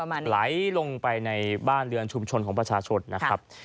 มันไหลลงไปในบ้านเรือนชุมชนของประชาชนนะครับ